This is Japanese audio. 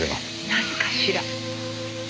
何かしら？